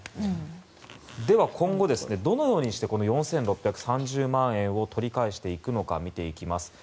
では今後、どのようにして４６３０万円を取り返していくのか見ていきます。